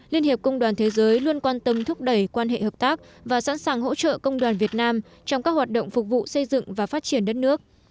liên hiệp công đoàn thế giới luôn quan tâm thúc đẩy quan hệ hợp tác và sẵn sàng hỗ trợ công đoàn việt nam trong các hoạt động phục vụ xây dựng và phát triển đất nước